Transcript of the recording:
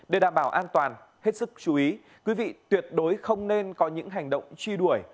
để đảm bảo an toàn hết sức chú ý quý vị tuyệt đối không nên có những hành động truy đuổi